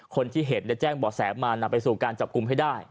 คนที่เห็นแจ้งบ่อแสมานำไปสู่การจับกลุ่มให้ได้